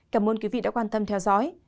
cảm ơn quý vị đã quan tâm theo dõi